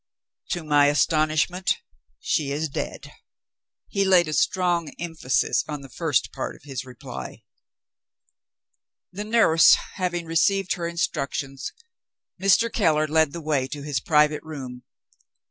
"To my astonishment, she is dead." He laid a strong emphasis on the first part of his reply. The nurse having received her instructions, Mr. Keller led the way to his private room.